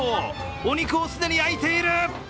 お肉を既に焼いている！